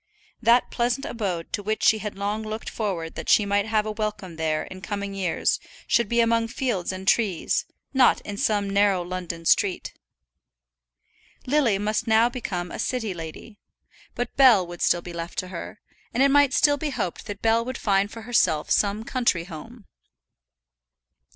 That pleasant abode to which she had long looked forward that she might have a welcome there in coming years should be among fields and trees, not in some narrow London street. Lily must now become a city lady; but Bell would still be left to her, and it might still be hoped that Bell would find for herself some country home.